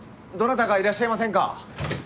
どなたかいらっしゃいませんか？